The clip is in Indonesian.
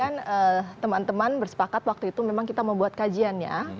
dan kemudian teman teman bersepakat waktu itu memang kita membuat kajiannya